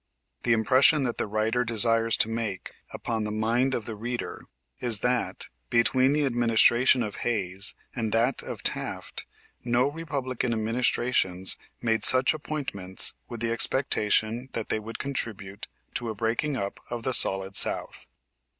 The impression that the writer desires to make upon the mind of the reader is that, between the administration of Hayes and that of Taft no Republican administrations made such appointments with the expectation that they would contribute to a breaking up of the solid south.